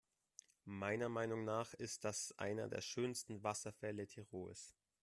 Meiner Meinung nach ist das einer der schönsten Wasserfälle Tirols.